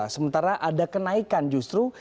sementara ada kenaikan justru